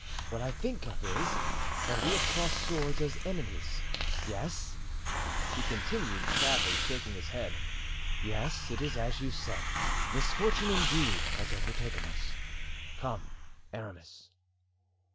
What I think of is, that we have crossed swords as enemies. Yes," he continued, sadly shaking his head, "Yes, it is as you said, misfortune, indeed, has overtaken us. Come, Aramis."